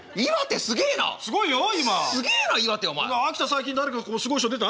最近誰かこうすごい人出た？